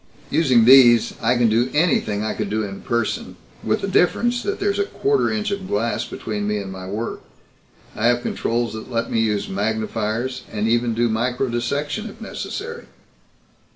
Using these I can do anything I could in person with the difference that there's a quarter inch of glass between me and my work. I have controls that let me use magnifiers, and even do microdissection, if necessary."